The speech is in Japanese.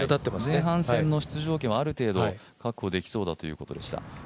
前半戦の出場権は、ある程度確保できそうだということでした。